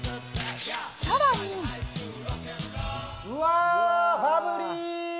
さらにうわーバブリー！